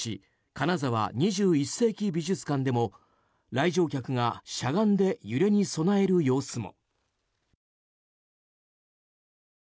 金沢２１世紀美術館でも来場客がしゃがんで揺れに備える様子も。